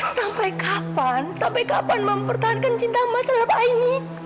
sampai kapan sampai kapan mempertahankan cinta mas terhadap aini